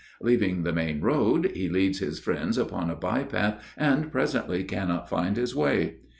Leaving the main road he leads his friends upon a by path and presently cannot find his way.